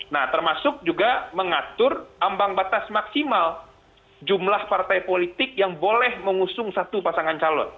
nah termasuk juga mengatur ambang batas maksimal jumlah partai politik yang boleh mengusung satu pasangan calon